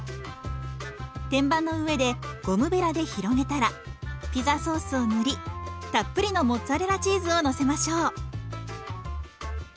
天板の上でゴムべらで広げたらピザソースを塗りたっぷりのモッツァレラチーズをのせましょう。